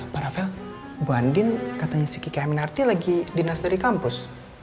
paravel bu andien katanya si kiki keminarti lagi dinas dari kampus